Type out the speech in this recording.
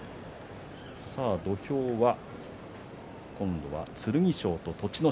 土俵は今度は剣翔と栃ノ